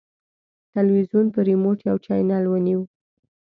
تلویزیون په ریموټ یو چینل ونیو.